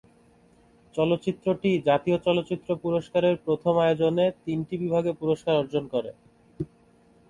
চলচ্চিত্রটি জাতীয় চলচ্চিত্র পুরস্কারের প্রথম আয়োজনে তিনটি বিভাগে পুরস্কার অর্জন করে।